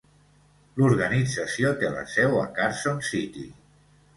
L'organització té la seu a Carson City.